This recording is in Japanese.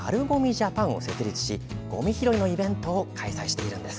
ＪＡＰＡＮを設立しごみ拾いのイベントを開催しているんです。